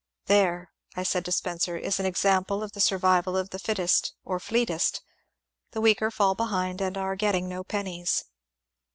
" There," I said to Spencer, " is an example of the survival of the fittest or * fleetest ;' the weaker fall behind and are getting no pennies."